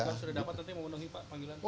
pak sudah dapat nanti mau undangi pak panggilan